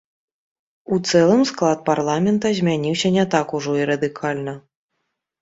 У цэлым склад парламента змяніўся не так ужо і радыкальна.